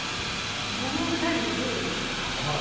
もぐもぐタイムのルールですか？